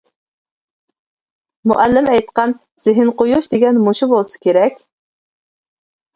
مۇئەللىم ئېيتقان «زېھىن قويۇش» دېگەن مۇشۇ بولسا كېرەك.